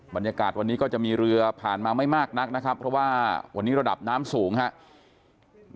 บรรยากาศวันนี้ก็จะมีเรือผ่านมาไม่มากนักนะครับเพราะว่าวันนี้ระดับน้ำสูงครับ